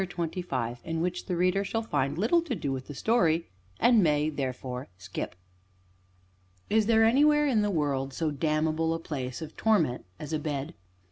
CHAPTER XXV IN WHICH THE READER SHALL FIND LITTLE TO DO WITH THE STORY, AND MAY, THEREFORE, SKIP Is there anywhere in the world so damnable a place of torment as a bed?